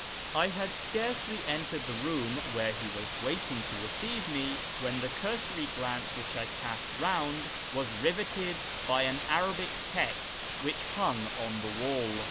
I had scarcely entered the room where he was waiting to receive me, when the cursory glance which I cast round was rivetted by an Arabic text which hung on the wall.